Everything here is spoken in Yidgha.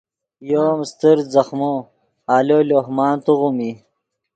یو ام استر ځخمو آلو لوہ مان توغیم ای